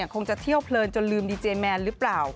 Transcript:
คงจะเที่ยวเพลินจนลืมดีเจแมนหรือเปล่า